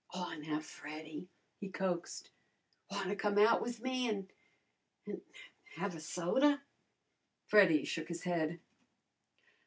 "Aw, now, Freddy," he coaxed, "wanna come out with me an' an' have a soda?" Freddy shook his head.